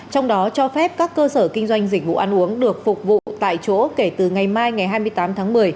trong đó cho phép các cơ sở kinh doanh dịch vụ ăn uống được phục vụ tại chỗ kể từ ngày mai ngày hai mươi tám tháng một mươi